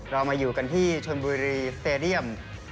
เรามาอยู่กันที่ชนบุรีสเตดียม